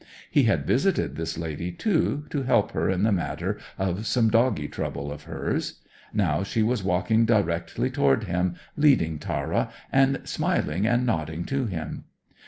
He had visited this lady, too, to help her in the matter of some doggy trouble of hers. Now she was walking directly toward him, leading Tara, and smiling and nodding to him.